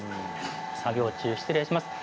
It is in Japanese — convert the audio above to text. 作業中、失礼します。